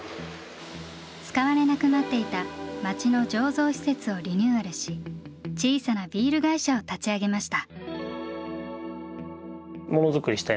使われなくなっていた町の醸造施設をリニューアルし小さなビール会社を立ち上げました。